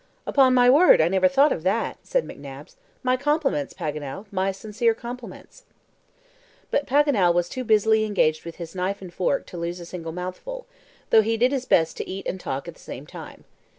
"Upon my word, I never thought of that," said McNabbs. "My compliments, Paganel my sincere compliments." But Paganel was too busily engaged with his knife and fork to lose a single mouthful, though he did his best to eat and talk at the same time.